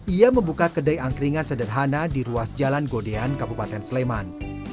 ia membuka kedai angkringan sederhana di ruas jalan godean kabupaten sleman